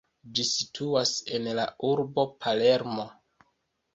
Ĝi situas en la urbo Palermo.